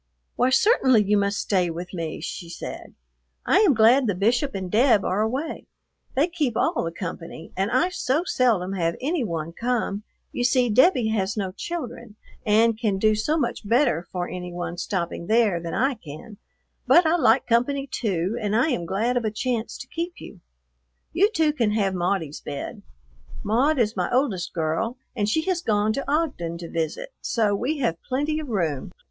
"Why, certainly you must stay with me," she said. "I am glad the Bishop and Deb are away. They keep all the company, and I so seldom have any one come; you see Debbie has no children and can do so much better for any one stopping there than I can, but I like company, too, and I am glad of a chance to keep you. You two can have Maudie's bed. Maud is my oldest girl and she has gone to Ogden to visit, so we have plenty of room."